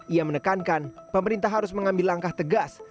ia menekankan pemerintah harus mengambil langkah tegas